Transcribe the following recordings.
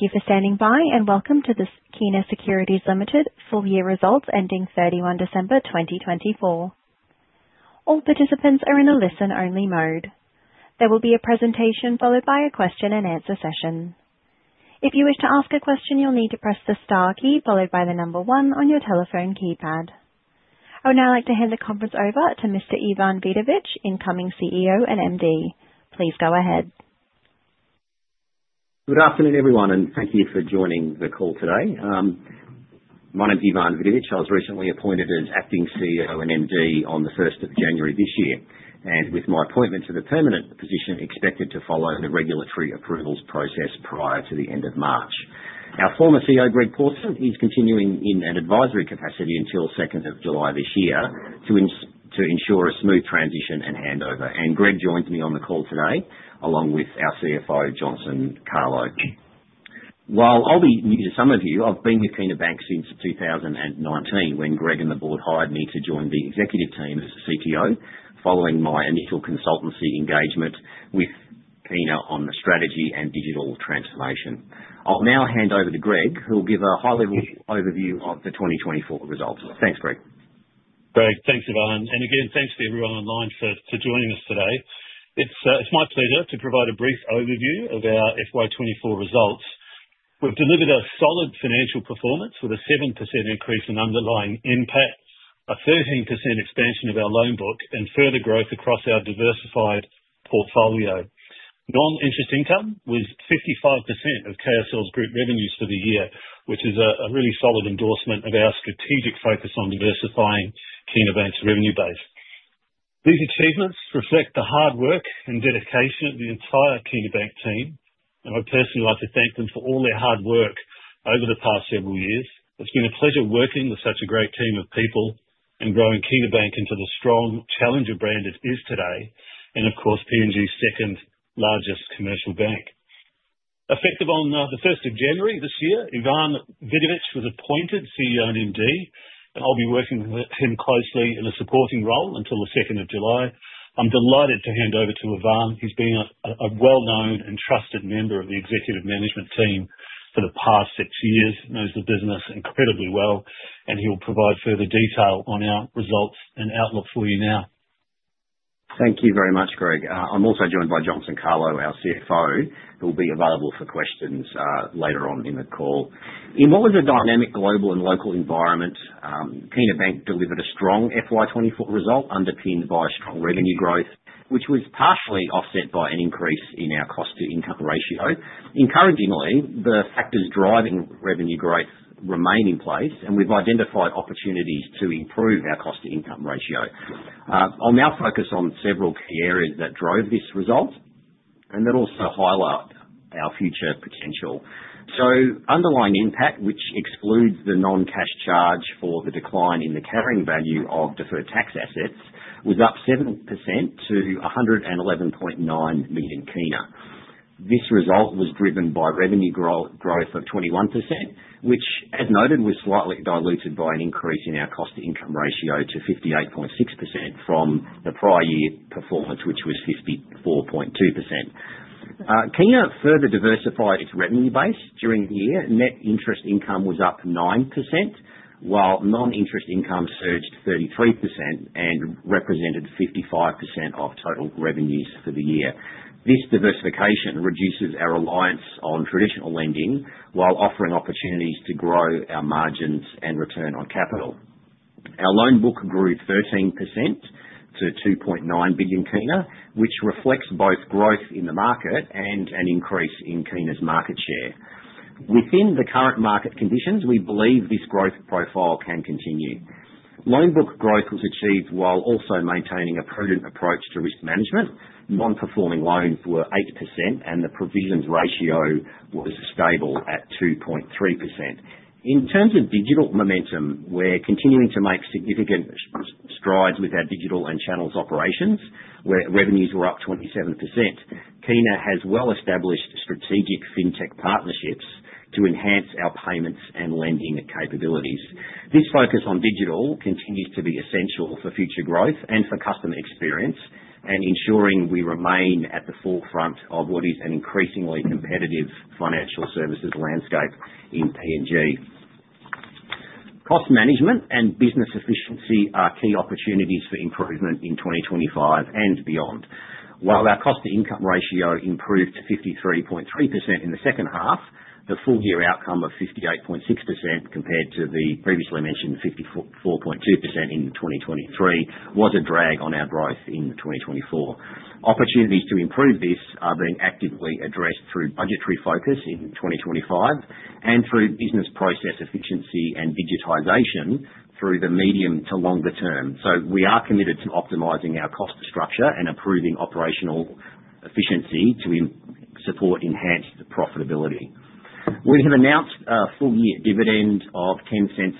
Thank you for standing by, and welcome to the Kina Securities Limited full-year results ending 31 December 2024. All participants are in a listen-only mode. There will be a presentation followed by a question-and-answer session. If you wish to ask a question, you'll need to press the star key followed by the number one on your telephone keypad. I would now like to hand the conference over to Mr. Ivan Vidovich, incoming CEO and MD. Please go ahead. Good afternoon, everyone, and thank you for joining the call today. My name's Ivan Vidovich. I was recently appointed as acting CEO and MD on the 1st of January this year, and with my appointment to the permanent position, expected to follow the regulatory approvals process prior to the end of March. Our former CEO, Greg Pawson, is continuing in an advisory capacity until the 2nd of July this year to ensure a smooth transition and handover. Greg joined me on the call today, along with our CFO, Johnson Kalo. While I'll be new to some of you, I've been with Kina Bank since 2019 when Greg and the board hired me to join the executive team as CTO, following my initial consultancy engagement with Kina on the strategy and digital transformation. I'll now hand over to Greg, who'll give a high-level overview of the 2024 results. Thanks, Greg. Great, thanks, Ivan. Thanks to everyone online for joining us today. It's my pleasure to provide a brief overview of our FY24 results. We've delivered a solid financial performance with a 7% increase in underlying NPAT, a 13% expansion of our loan book, and further growth across our diversified portfolio. Non-interest income was 55% of KSL's group revenues for the year, which is a really solid endorsement of our strategic focus on diversifying Kina Bank's revenue base. These achievements reflect the hard work and dedication of the entire Kina Bank team, and I'd personally like to thank them for all their hard work over the past several years. It's been a pleasure working with such a great team of people and growing Kina Bank into the strong challenger brand it is today, and of course, Papua New Guinea's second-largest commercial bank. Effective on the 1st of January this year, Ivan Vidovich was appointed CEO and MD, and I'll be working with him closely in a supporting role until the 2nd of July. I'm delighted to hand over to Ivan. He's been a well-known and trusted member of the executive management team for the past six years, knows the business incredibly well, and he'll provide further detail on our results and outlook for you now. Thank you very much, Greg. I'm also joined by Johnson Kalo, our CFO, who will be available for questions later on in the call. In what was a dynamic global and local environment, Kina Bank delivered a strong FY24 result underpinned by strong revenue growth, which was partially offset by an increase in our cost-to-income ratio. Encouragingly, the factors driving revenue growth remain in place, and we've identified opportunities to improve our cost-to-income ratio. I will now focus on several key areas that drove this result and that also highlight our future potential. Underlying NPAT, which excludes the non-cash charge for the decline in the carrying value of deferred tax assets, was up 7% to PGK 111.9 million. This result was driven by revenue growth of 21%, which, as noted, was slightly diluted by an increase in our cost-to-income ratio to 58.6% from the prior year performance, which was 54.2%. Kina further diversified its revenue base during the year. Net interest income was up 9%, while non-interest income surged 33% and represented 55% of total revenues for the year. This diversification reduces our reliance on traditional lending while offering opportunities to grow our margins and return on capital. Our loan book grew 13% to PGK 2.9 billion, which reflects both growth in the market and an increase in Kina's market share. Within the current market conditions, we believe this growth profile can continue. Loan book growth was achieved while also maintaining a prudent approach to risk management. Non-performing loans were 8%, and the provisions ratio was stable at 2.3%. In terms of digital momentum, we're continuing to make significant strides with our digital and channels operations, where revenues were up 27%. Kina has well-established strategic fintech partnerships to enhance our payments and lending capabilities. This focus on digital continues to be essential for future growth and for customer experience, and ensuring we remain at the forefront of what is an increasingly competitive financial services landscape in PNG. Cost management and business efficiency are key opportunities for improvement in 2025 and beyond. While our cost-to-income ratio improved to 53.3% in the second half, the full-year outcome of 58.6% compared to the previously mentioned 54.2% in 2023 was a drag on our growth in 2024. Opportunities to improve this are being actively addressed through budgetary focus in 2025 and through business process efficiency and digitization through the medium to longer term. We are committed to optimizing our cost structure and improving operational efficiency to support enhanced profitability. We have announced a full-year dividend of 0.10.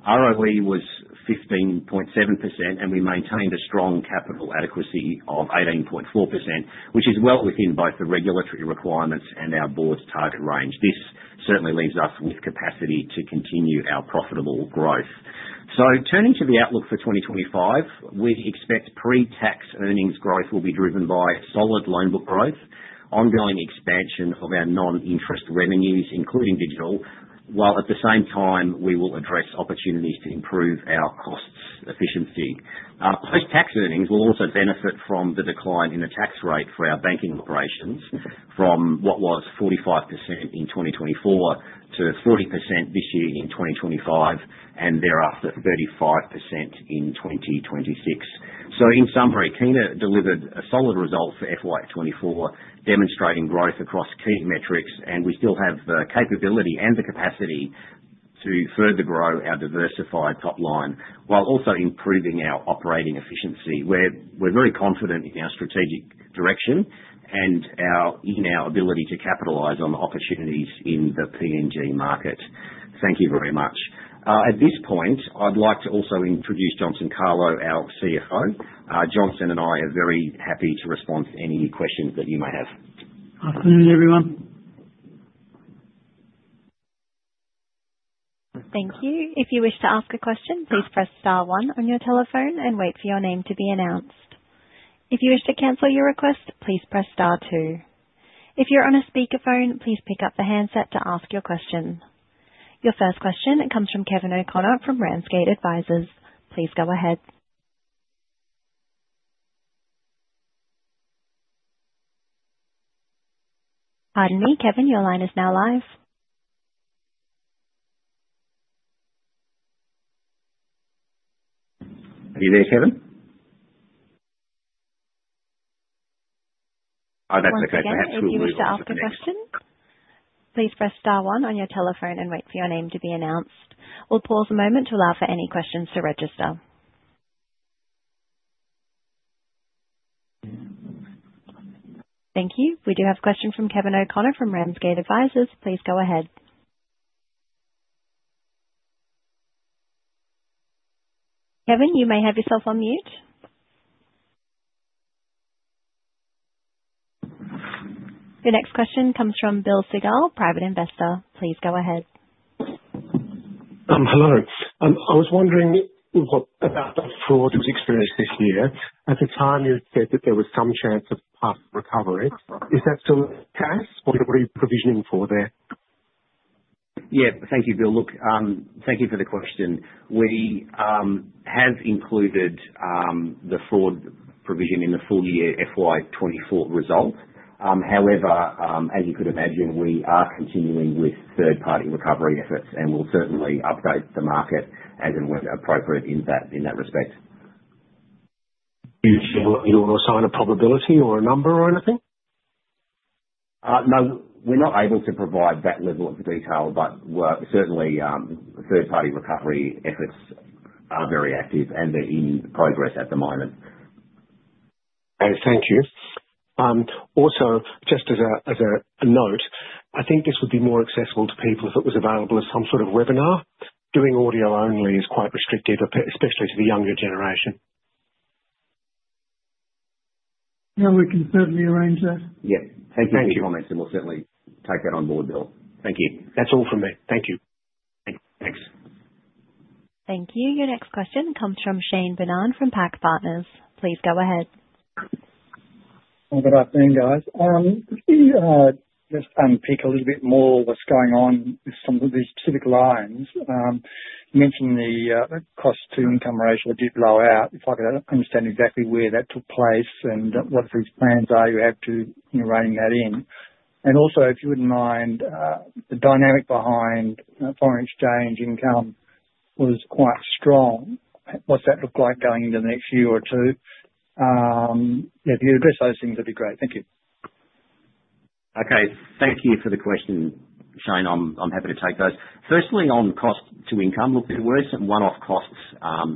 ROE was 15.7%, and we maintained a strong capital adequacy of 18.4%, which is well within both the regulatory requirements and our board's target range. This certainly leaves us with capacity to continue our profitable growth. Turning to the outlook for 2025, we expect pre-tax earnings growth will be driven by solid loan book growth, ongoing expansion of our non-interest revenues, including digital, while at the same time we will address opportunities to improve our cost efficiency. Post-tax earnings will also benefit from the decline in the tax rate for our banking operations, from what was 45% in 2024 to 40% this year in 2025 and thereafter 35% in 2026. In summary, Kina delivered a solid result for FY24, demonstrating growth across key metrics, and we still have the capability and the capacity to further grow our diversified top line while also improving our operating efficiency. We're very confident in our strategic direction and in our ability to capitalize on the opportunities in the PNG market. Thank you very much. At this point, I'd like to also introduce Johnson Kalo, our CFO. Johnson and I are very happy to respond to any questions that you may have. Afternoon, everyone. Thank you. If you wish to ask a question, please press star one on your telephone and wait for your name to be announced. If you wish to cancel your request, please press star two. If you're on a speakerphone, please pick up the handset to ask your question. Your first question comes from Kevin O'Connor from Ramsgate Advisors. Please go ahead. Pardon me, Kevin, your line is now live. Are you there, Kevin? Oh, that's okay. Perhaps we'll move to. If you wish to ask a question, please press star one on your telephone and wait for your name to be announced. We'll pause a moment to allow for any questions to register. Thank you. We do have a question from Kevin O'Connor from Ramsgate Advisors. Please go ahead. Kevin, you may have yourself on mute. Your next question comes from Bill Segal, private investor. Please go ahead. Hello. I was wondering about the fraud we've experienced this year. At the time, you had said that there was some chance of a path to recovery. Is that still cash, or are you provisioning for there? Yeah, thank you, Bill. Look, thank you for the question. We have included the fraud provision in the full-year FY24 result. However, as you could imagine, we are continuing with third-party recovery efforts, and we will certainly update the market as and when appropriate in that respect. You want to assign a probability or a number or anything? No, we're not able to provide that level of detail, but certainly, third-party recovery efforts are very active, and they're in progress at the moment. Okay, thank you. Also, just as a note, I think this would be more accessible to people if it was available as some sort of webinar. Doing audio only is quite restrictive, especially to the younger generation. Yeah, we can certainly arrange that. Yeah, thank you for your comments, and we'll certainly take that on board, Bill. Thank you. That's all from me. Thank you. Thanks. Thank you. Your next question comes from Shane Bennan from PAC Partners. Please go ahead. All right then, guys. Just unpick a little bit more what's going on with some of these specific lines. You mentioned the cost-to-income ratio did blow out. If I could understand exactly where that took place and what these plans are you have to rein that in. Also, if you wouldn't mind, the dynamic behind foreign exchange income was quite strong. What's that look like going into the next year or two? If you address those things, that'd be great. Thank you. Okay, thank you for the question, Shane. I'm happy to take those. Firstly, on cost-to-income, look, there were some one-off costs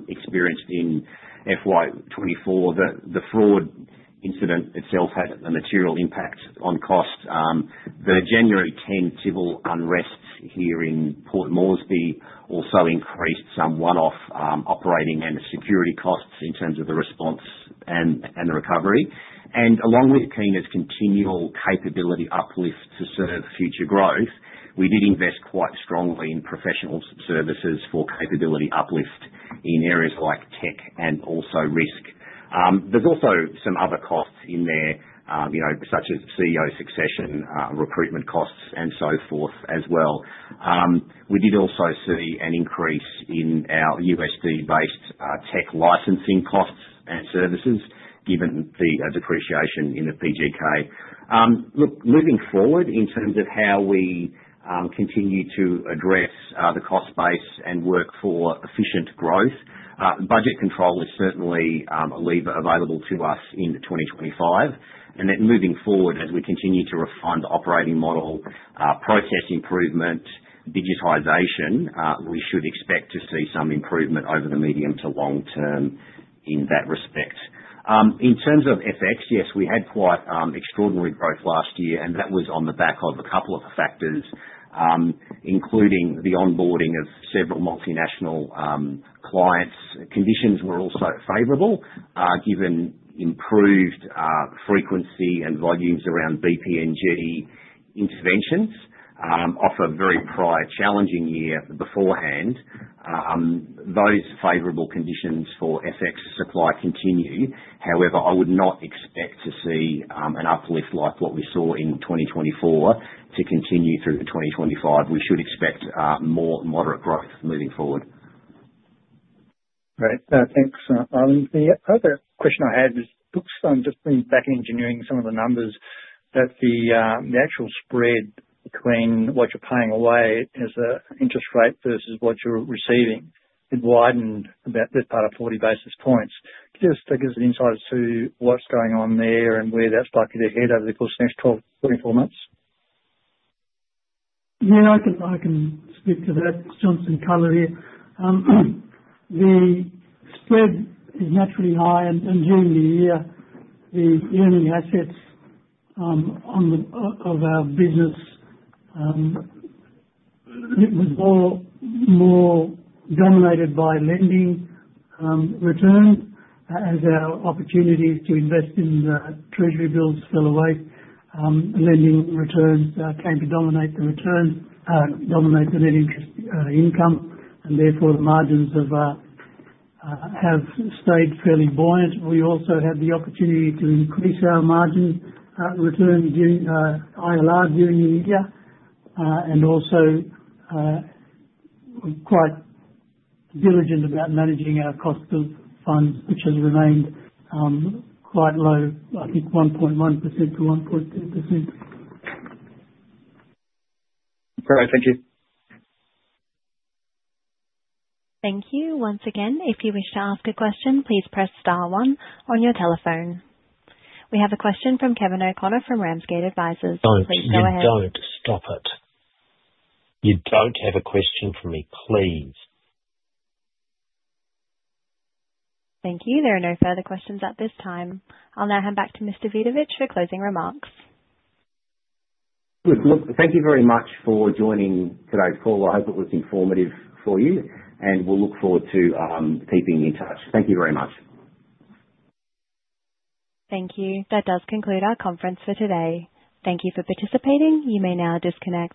experienced in FY24. The fraud incident itself had a material impact on costs. The January 10 civil unrests here in Port Moresby also increased some one-off operating and security costs in terms of the response and the recovery. Along with Kina's continual capability uplift to serve future growth, we did invest quite strongly in professional services for capability uplift in areas like tech and also risk. There are also some other costs in there, such as CEO succession, recruitment costs, and so forth as well. We did also see an increase in our USD-based tech licensing costs and services, given the depreciation in the PGK. Look, moving forward in terms of how we continue to address the cost base and work for efficient growth, budget control is certainly a lever available to us in 2025. Moving forward, as we continue to refine the operating model, process improvement, digitization, we should expect to see some improvement over the medium to long term in that respect. In terms of FX, yes, we had quite extraordinary growth last year, and that was on the back of a couple of factors, including the onboarding of several multinational clients. Conditions were also favorable, given improved frequency and volumes around BPNG interventions. Off a very prior challenging year beforehand, those favorable conditions for FX supply continue. However, I would not expect to see an uplift like what we saw in 2024 to continue through 2025. We should expect more moderate growth moving forward. Great. Thanks, Ivan. The other question I had is, look, I'm just back engineering some of the numbers that the actual spread between what you're paying away as an interest rate versus what you're receiving had widened about 40 basis points. Just to give some insight as to what's going on there and where that's likely to head over the course of the next 12 to 24 months. Yeah, I can speak to that, Johnson Kalo. The spread is naturally high, and during the year, the earning assets of our business were more dominated by lending returns. As our opportunities to invest in the Treasury bills fell away, lending returns came to dominate the returns, dominate the net interest income, and therefore the margins have stayed fairly buoyant. We also had the opportunity to increase our margin returns during ILR during the year and also were quite diligent about managing our cost of funds, which has remained quite low, I think 1.1%-1.2%. Great, thank you. Thank you. Once again, if you wish to ask a question, please press star one on your telephone. We have a question from Kevin O'Connor from Ramsgate Advisors. Don't. Please go ahead. You don't stop it. You don't have a question for me, please? Thank you. There are no further questions at this time. I'll now hand back to Mr. Vidovich for closing remarks. Good. Look, thank you very much for joining today's call. I hope it was informative for you, and we'll look forward to keeping in touch. Thank you very much. Thank you. That does conclude our conference for today. Thank you for participating. You may now disconnect.